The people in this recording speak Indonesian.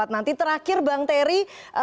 nanti terakhir bang terry